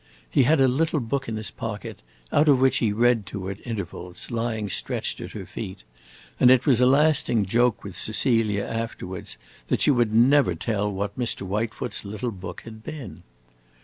He had a little book in his pocket, out of which he read to her at intervals, lying stretched at her feet, and it was a lasting joke with Cecilia, afterwards, that she would never tell what Mr. Whitefoot's little book had been.